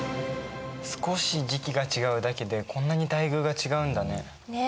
少し時期が違うだけでこんなに待遇が違うんだね。